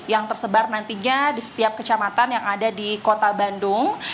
yang tersebar nantinya di setiap kecamatan yang ada di kota bandung